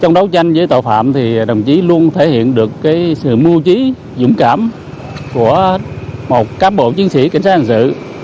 trong đấu tranh với tội phạm thì đồng chí luôn thể hiện được sự mưu trí dũng cảm của một cám bộ chiến sĩ cảnh sát hành sự